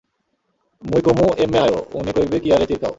মুই কমু এম্মে আয়ো, উনি কইবে কিয়ারে চিরকাও।